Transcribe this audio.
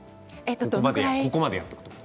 ここまでやっておくと。